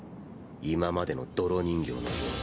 今までの泥人形のように。